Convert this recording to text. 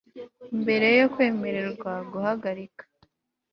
mbere yo kwemererwa guhagarika